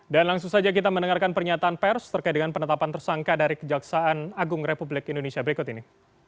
dan langsung saja kita mendengarkan pernyataan pers terkait dengan penetapan tersangka dari kejaksaan agung republik indonesia berikut ini